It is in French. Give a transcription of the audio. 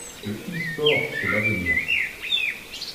Le eSport c'est l'avenir!